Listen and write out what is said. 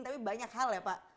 tapi banyak hal ya pak